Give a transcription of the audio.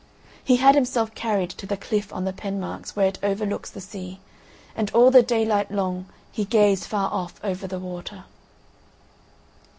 He had himself carried to the cliff of the Penmarks, where it overlooks the sea, and all the daylight long he gazed far off over the water.